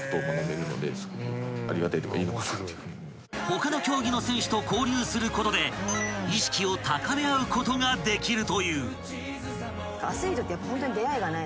［他の競技の選手と交流することで意識を高め合うことができるという］